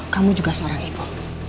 kamu juga seorang ibu